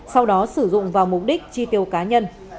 sau đó sử dụng vào mục đích chi tiêu cá nhân